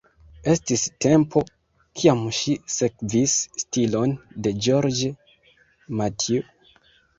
Estis tempo, kiam ŝi sekvis stilon de Georges Mathieu.